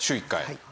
はい。